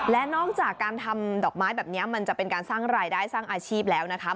และนอกจากการทำดอกไม้แบบนี้มันจะเป็นการสร้างรายได้สร้างอาชีพแล้วนะคะ